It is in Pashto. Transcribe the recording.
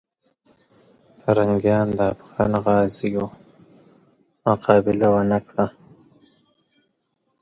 پرنګیان د افغان غازیو مقابله ونه کړه.